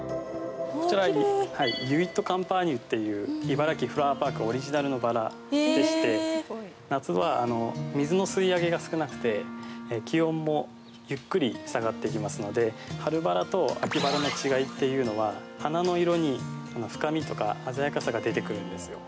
こちらユイット・カンパーニュといういばらきフラワーパークオリジナルのバラでして夏は水の吸い上げが少なくて気温もゆっくり下がっていきますので春バラと秋バラの違いっていうのは花の色に深みとか鮮やかさが出てくるんですよ。